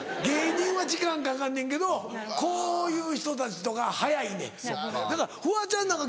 芸人は時間かかんねんけどこういう人たちとか早いねん。